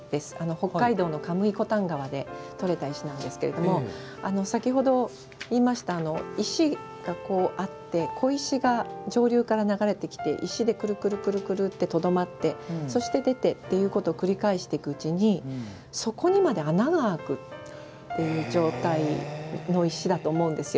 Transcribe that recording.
北海道の神居古潭川で採れた石なんですけれども先ほど言いました、石があって小石が上流から流れてきて石でクルクル、クルクルってとどまってそして出てということを繰り返していくうちにそこにまで穴が開くっていう状態の石だと思うんです。